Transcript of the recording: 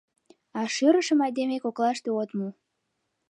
А шӧрышым айдеме коклаште от му.